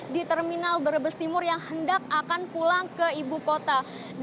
di terminal berbes timur yang hendak akan pulang ke ibu kota